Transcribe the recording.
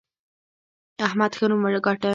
احمد ښه نوم وګاټه.